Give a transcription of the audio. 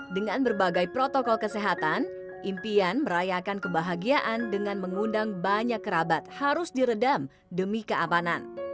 dengan berbagai protokol kesehatan impian merayakan kebahagiaan dengan mengundang banyak kerabat harus diredam demi keamanan